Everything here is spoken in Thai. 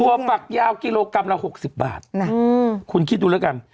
ฝักยาวกิโลกรัมละ๖๐บาทคุณคิดดูแล้วกัน